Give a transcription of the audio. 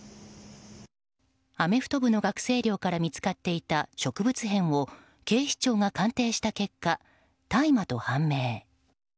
アメフト部の学生寮から見つかっていた植物片を警視庁が鑑定した結果大麻と判明。